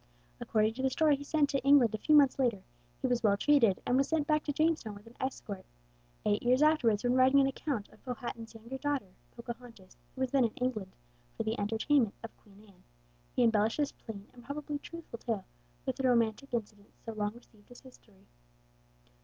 According to the story he sent to England a few months later, he was well treated, and was sent back to Jamestown with an escort. Eight years afterwards, when writing an account of Powhatan's younger daughter, Pocahontas, who was then in England, for the entertainment of Queen Anne, he embellished this plain and probably truthful tale with the romantic incidents so long received as history.